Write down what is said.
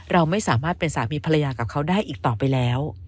เราไม่สามารถเป็นสามีภรรยากับเขาได้อีกต่อไปแล้ว